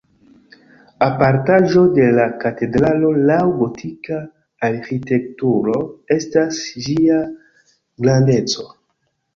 Apartaĵo de la katedralo laŭ gotika arĥitekturo estas ĝia grandeco.